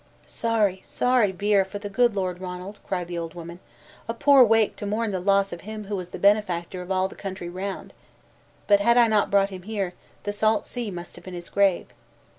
"Sorry, sorry bier, for the good Lord Ronald!" cried the old woman; "a poor wake to mourn the loss of him who was the benefactor of all the country round! But had I not brought him here, the salt sea must have been his grave."